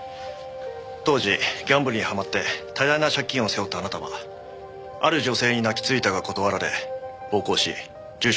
当時ギャンブルにはまって多大な借金を背負ったあなたはある女性に泣きついたが断られ暴行し重傷を負わせた。